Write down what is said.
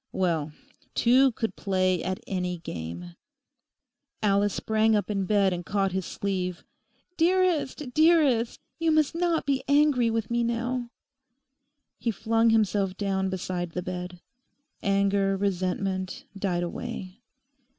Well, two could play at any game! Alice sprang up in bed and caught his sleeve. 'Dearest, dearest, you must not be angry with me now!' He flung himself down beside the bed. Anger, resentment died away.